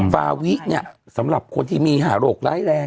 ฟาวิเนี่ยสำหรับคนที่มีหาโรคร้ายแรง